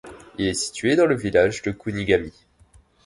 Il est situé dans le village de Kunigami.